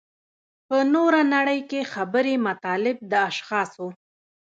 په نوره نړۍ کې خبري مطالب د اشخاصو.